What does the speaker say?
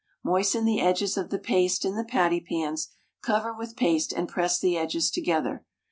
Moisten the edges of the paste in the patty pans, cover with paste, and press the edges together.